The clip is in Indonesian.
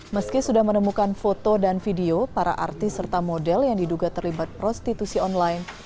meski sudah menemukan foto dan video para artis serta model yang diduga terlibat prostitusi online